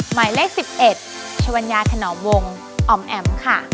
หมายเลข๑๑ชวัญญาถนอมวงออมแอ๋มค่ะ